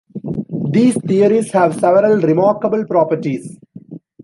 These theories have several remarkable properties.